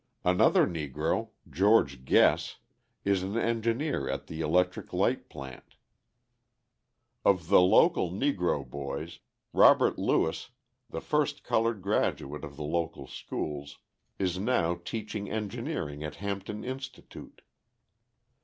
Another Negro, George Guess, is an engineer in the electric light plant. Of the local Negro boys, Robert Lewis, the first coloured graduate of the local schools, is now teaching engineering at Hampton Institute.